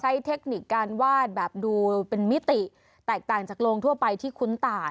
เทคนิคการวาดแบบดูเป็นมิติแตกต่างจากโรงทั่วไปที่คุ้นตา